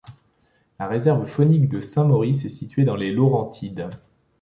La réserve faunique du Saint-Maurice est située dans les Laurentides.